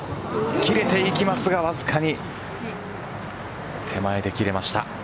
切れていきますが、わずかに手前で切れました。